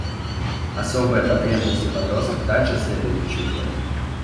Особые потребности подростков также следует учитывать.